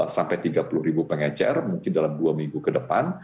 sampai tiga puluh ribu pengecer mungkin dalam dua minggu ke depan